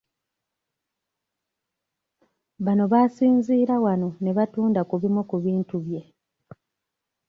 Bano baasinziira wano ne batunda ku bimu ku bintu bye.